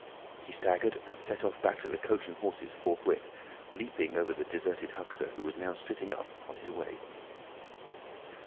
He staggered and set off back to the "Coach and Horses" forthwith, leaping over the deserted Huxter, who was now sitting up, on his way.